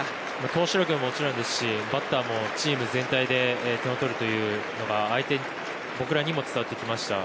投手力も、もちろんですしバッターもチーム全体で点を取るというのが相手の僕らにも伝わってきました。